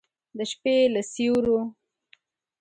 د شپې له سیورو